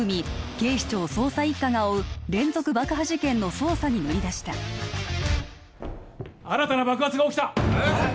警視庁捜査一課が追う連続爆破事件の捜査に乗り出した新たな爆発が起きたえっ！？